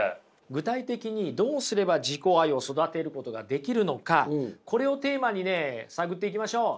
具体的にどうすれば自己愛を育てることができるのかこれをテーマにね探っていきましょう。